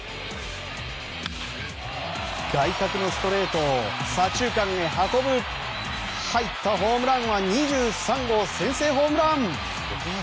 外角のストレートを左中間へ運ぶ入ったホームランは２３号先制ホームラン！